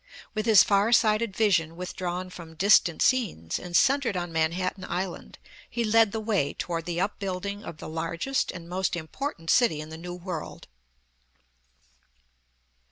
With his far sighted vision withdrawn from distant scenes, and centered on Manhattan Island, he led the way toward the upbuilding of the largest, and most important city in the new world.